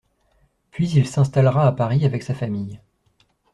Puis il s'installera à Paris avec sa famille.